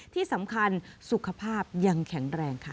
ที่สำคัญสุขภาพยังแข็งแรงค่ะ